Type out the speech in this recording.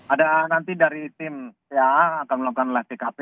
ada nanti dari tim ya akan melakukan olah tkp